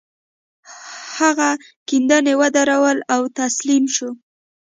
هغه کيندنې ودرولې او تسليم شو.